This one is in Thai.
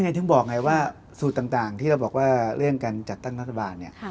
ก็ที่เจ้งบอกซูดต่างที่เรียงการจัดตั้งรัฐบาล